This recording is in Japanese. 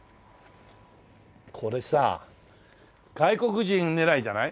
これさ外国人狙いじゃない？